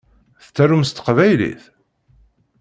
Tettarum s teqbaylit?